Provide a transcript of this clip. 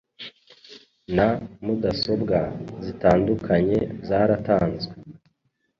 na mudasobwa zitandukanye zaratanzwe